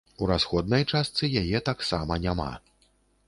У расходнай частцы яе таксама няма.